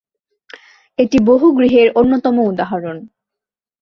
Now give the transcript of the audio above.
এটি বহু গৃহের অন্যতম উদাহরণ।